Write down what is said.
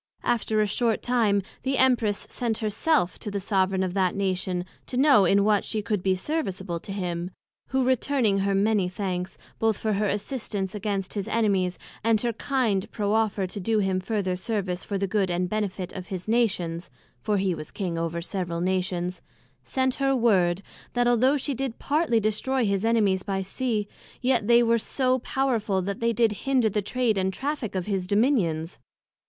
After a short time, the Empress sent her self, to the soveraign of that Nation to know in what she could be serviceable to him; who returning her many thanks, both for her assistance against his Enemies, and her kind proffer to do him further service for the good and benefit of his Nations (for he was King over several Kingdoms) sent her word, that although she did partly destroy his Enemies by Sea, yet, they were so powerful, that they did hinder the Trade and Traffick of his Dominions.